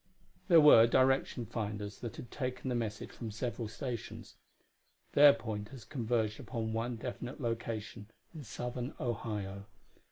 There were direction finders that had taken the message from several stations; their pointers converged upon one definite location in southern Ohio.